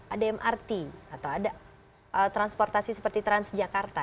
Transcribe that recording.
ada mrt atau ada transportasi seperti transjakarta